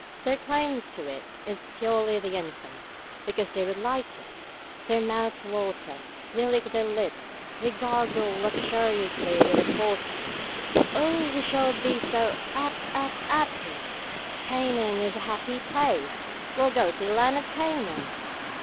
Their claim to it is purely the infant's, because they would like it. Their mouths water, they lick their lips, they gurgle luxuriously with the foretaste: "Oh, we shall be so 'ap 'ap 'appy! Canaan is a happy place; we'll go to the land of Canaan!"